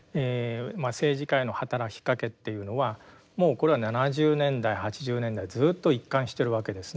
政治家への働きかけっていうのはもうこれは７０年代８０年代ずっと一貫してるわけですね。